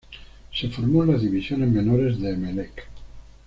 Se formó en las divisiones menores de Emelec.